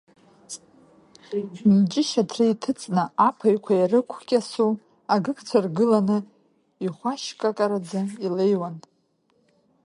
Мҷышь аҭра иҭыҵны аԥаҩқәа ирықәкьасо, агыгцәа ргыланы, ихәашькакараӡа илеиуан.